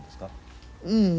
うん。